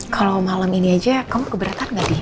kalo malem ini aja kamu keberatan gak di